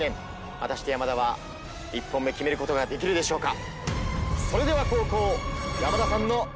果たして山田は１本目決めることができるでしょうか？